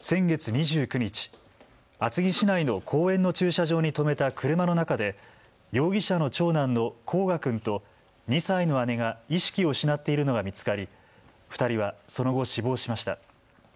先月２９日、厚木市内の公園の駐車場に止めた車の中で容疑者の長男の煌翔君と２歳の姉が意識を失っているのが見つかり、２人はその後、死亡しました。